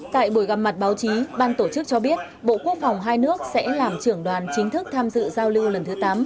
tại buổi gặp mặt báo chí ban tổ chức cho biết bộ quốc phòng hai nước sẽ làm trưởng đoàn chính thức tham dự giao lưu lần thứ tám